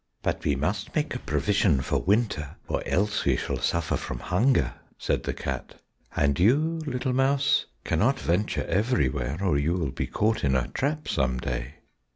"But we must make a provision for winter, or else we shall suffer from hunger," said the cat, "and you, little mouse, cannot venture everywhere, or you will be caught in a trap some day."